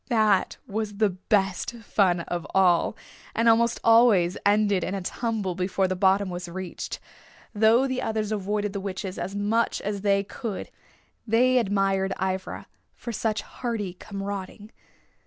That was the best fun of all, and almost always ended in a tumble before the bottom was reached. Though the others avoided the witches as much as they could they admired Ivra for such hardy comrading.